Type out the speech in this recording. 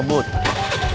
ah ada di sana